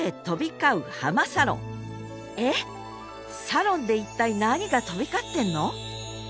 サロンで一体何か飛び交ってるの？